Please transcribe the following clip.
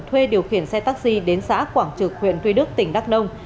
thuê điều khiển xe taxi đến xã quảng trực huyện tuy đức tỉnh đắk nông